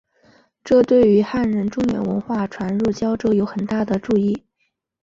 这对于汉人中原文化传入交州有很大的助益。